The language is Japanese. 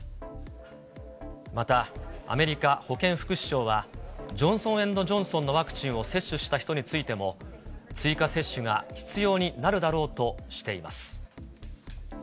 また、アメリカ保健福祉省は、ジョンソン・エンド・ジョンソンのワクチンを接種した人についても追加接種が必要になるだろうとしています。